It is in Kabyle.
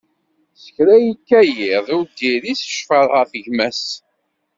S kra yekka yiḍ, ur d-iris ccfer ɣef gma-s.